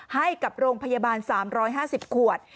ให้กับโรงพยาบาล๓๕๐ขวด